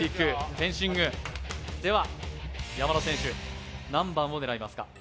フェンシングでは山田選手何番を狙いますか？